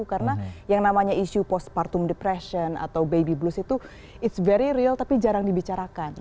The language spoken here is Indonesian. karena yang namanya isu postpartum depression atau baby blues itu it's very real tapi jarang dibicarakan